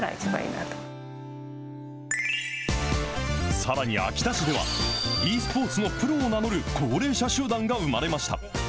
さらに秋田市では、ｅスポーツのプロを名乗る高齢者集団が生まれました。